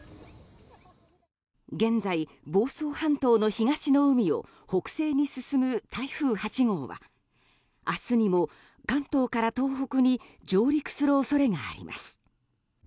現在、房総半島の東の海を北西に進む台風８号は明日にも関東から東北に上陸する恐れがあります。